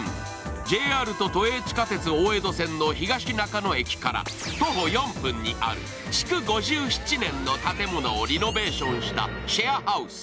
ＪＲと都営地下鉄大江戸線の東中野駅から徒歩４分にある築５７年の建物をリノベーションしたシェアハウス。